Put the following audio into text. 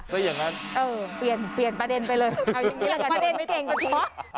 ซะอย่างนั้นเออเปลี่ยนเปลี่ยนประเด็นไปเลยเอาอย่างนี้ละกันประเด็นไม่ทิ้งกันทิ้ง